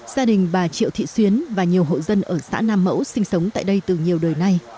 gia đình bà triệu thị xuyến và nhiều hộ dân ở xã nam mẫu sinh sống tại đây từ nhiều đời nay